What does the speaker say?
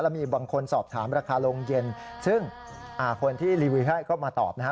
มีบางคนสอบถามราคาโรงเย็นซึ่งคนที่รีวิวให้ก็มาตอบนะฮะ